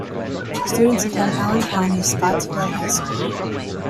Students attend Allen County Scottsville High School.